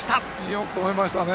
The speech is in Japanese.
よく止めました。